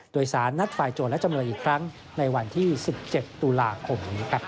โดยสารนัดฝ่ายโจรและจำเลยอีกครั้งในวันที่๑๗ตุลาคมนี้